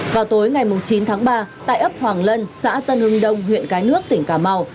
vào tối ngày chín tháng ba tại ấp hoàng lân xã tân hưng đông huyện cái nước tỉnh cà mau